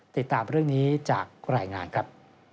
ติดตามเรื่องนี้จากรายงานครับ